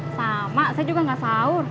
sama saya juga nggak sahur